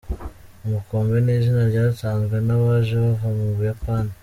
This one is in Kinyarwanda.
Ubukombe ni izina ryatanzwe n’abaje bava mu Buyapani.